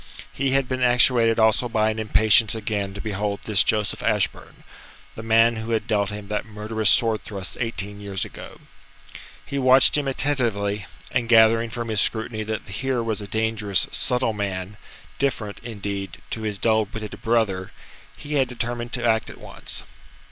He had been actuated also by an impatience again to behold this Joseph Ashburn the man who had dealt him that murderous sword thrust eighteen years ago. He watched him attentively, and gathering from his scrutiny that here was a dangerous, subtle man, different, indeed, to his dull witted brother, he had determined to act at once.